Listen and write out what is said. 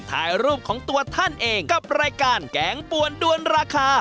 ถ่ายรูปของตัวท่านเองกับรายการแกงปวนด้วนราคา